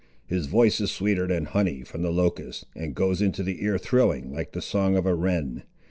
His voice is sweeter than honey from the locust, and goes into the ear thrilling like the song of a wren.